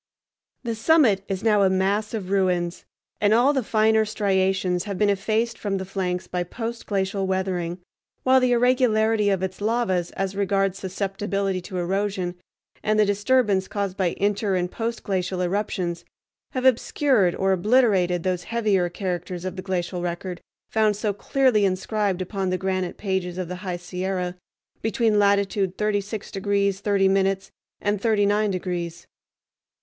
The summit is now a mass of ruins, and all the finer striations have been effaced from the flanks by post glacial weathering, while the irregularity of its lavas as regards susceptibility to erosion, and the disturbance caused by inter and post glacial eruptions, have obscured or obliterated those heavier characters of the glacial record found so clearly inscribed upon the granite pages of the high Sierra between latitude 36 degrees 30 minutes and 39 degrees.